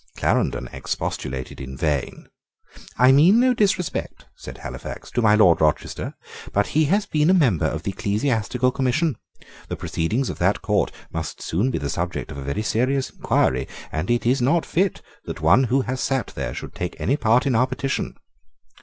Clarendon expostulated in vain. "I mean no disrespect," said Halifax, "to my Lord Rochester: but he has been a member of the Ecclesiastical Commission: the proceedings of that court must soon be the subject of a very serious inquiry; and it is not fit that one who has sate there should take any part in our petition."